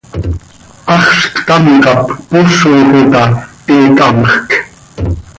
¡Haxz ctam cop poozoj oo ta, he camjc!